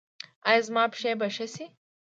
ایا زما پښې به ښې شي؟